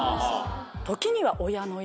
時には。